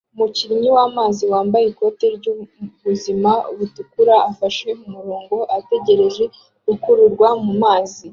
umukinnyi wamazi wambaye ikoti ryubuzima butukura afashe umurongo ategereje gukururwa mumazi